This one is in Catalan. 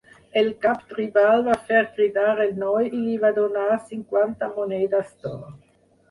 El cap tribal va fer cridar el noi i li va donar cinquanta monedes d'or.